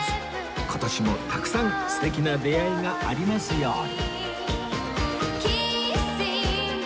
今年もたくさん素敵な出会いがありますように